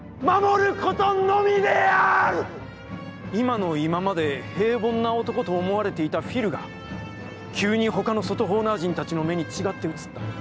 今の今まで平凡な男と思われていたフィルが、急にほかの外ホーナー人たちの目にちがって映った。